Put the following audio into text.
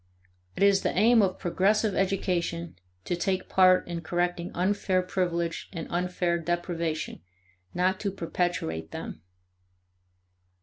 It is the aim of progressive education to take part in correcting unfair privilege and unfair deprivation, not to perpetuate them.